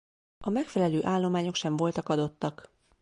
A megfelelő állományok sem voltak adottak.